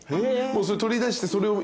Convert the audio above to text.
取り出してそれを一緒に。